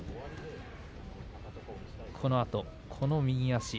このあとこの右足。